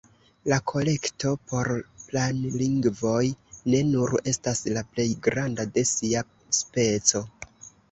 La Kolekto por Planlingvoj ne nur estas la plej granda de sia speco.